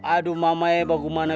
aduh mamae bagaimana